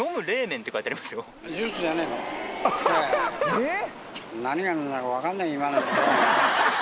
えっ⁉